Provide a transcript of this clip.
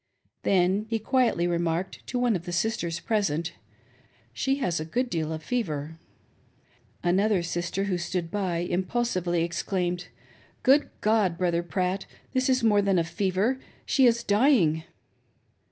Then he quietly remarked to one of the sisters present: "She has a good deal of fever." 524 "TOO late!" Another sister who stood by, impulsively exclaimed, "Good God! — Brother Pratt, this is more than fever — she is dying."